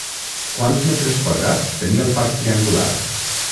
Quants metres quadrats tenia el parc triangular?